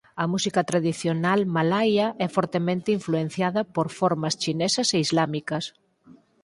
A música tradicional malaia é fortemente influenciada por formas chinesas e islámicas.